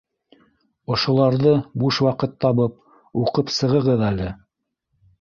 — Ошоларҙы, буш ваҡыт табып, уҡып сығығыҙ әле